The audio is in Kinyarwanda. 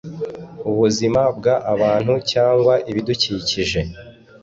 ubuzima bw abantu cyangwa ibidukikije